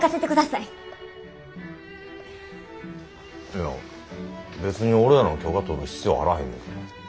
いや別に俺らの許可取る必要あらへんね。